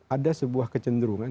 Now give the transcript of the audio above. ada sebuah kecenderungan